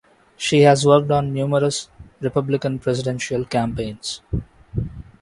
She has worked on numerous Republican presidential campaigns.